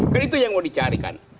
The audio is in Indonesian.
kan itu yang mau dicarikan